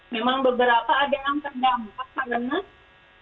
memang beberapa ada yang terdampak karena untuk pekerjaan yang part time